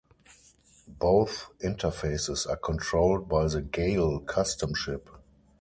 Both interfaces are controlled by the 'Gayle' custom chip.